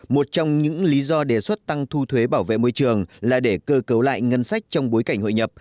một trong những lý do đề xuất tăng thu thuế bảo vệ môi trường là để cơ cấu lại ngân sách trong bối cảnh hội nhập